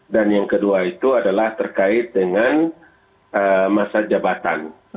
dan yang kedua itu adalah terkait dengan masa jabatan